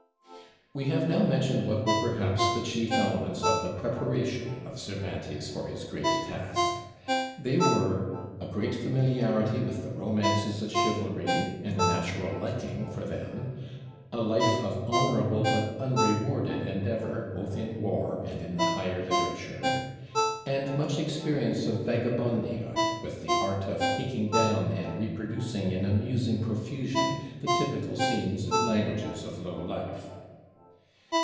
We have now mentioned what were perhaps the chief elements of the preparation of Cervantes for his great task. They were a great familiarity with the romances of chivalry, and a natural liking for them; a life of honorable but unrewarded endeavor both in war and in the higher literature; and much experience of Vagabondia, with the art of taking down and reproducing in amusing profusion the typical scenes and languages of low life.